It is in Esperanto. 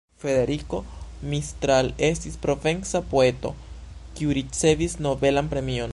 Frederiko Mistral estis provenca poeto, kiu ricevis nobelan premion.